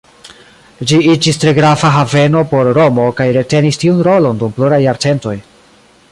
Ĝi iĝis tre grava haveno por Romo kaj retenis tiun rolon dum pluraj jarcentoj.